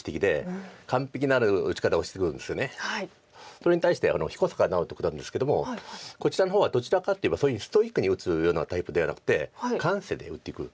それに対して彦坂直人九段ですけどもこちらの方はどちらかといえばそういうふうにストイックに打つようなタイプではなくて感性で打っていくタイプなんです。